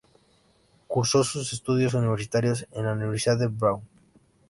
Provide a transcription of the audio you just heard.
Cursó sus estudios universitarios en la Universidad Brown.